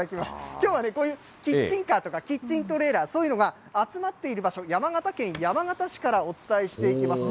きょうは、こういうキッチンカーとか、キッチントレーラー、そういうのが集まっている場所、山形県山形市からお伝えしていきます。